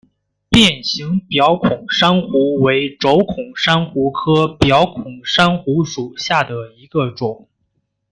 变形表孔珊瑚为轴孔珊瑚科表孔珊瑚属下的一个种。